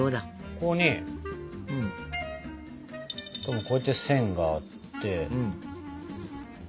ここにこうやって線があって。